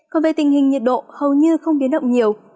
còn về tình hình nhiệt độ hầu như không biến động nhiều